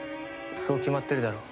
そう決まってるだろ？